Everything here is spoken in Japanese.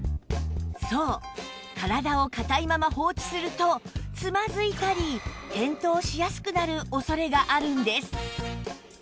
そう体を硬いまま放置するとつまずいたり転倒しやすくなる恐れがあるんです